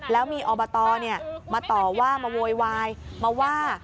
แล้วมีอบตมาต่อว่ามาโวยวายมาว่า